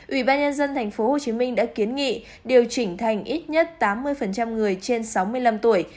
ubnd tp hcm đã kiến nghị điều chỉnh thành ít nhất tám mươi người trên sáu mươi năm tuổi